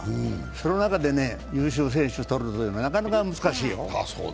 その中でね、優秀選手を取るのはなかなか難しいよ。